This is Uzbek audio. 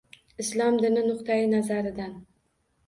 Islom dini nuqtai nazaridan.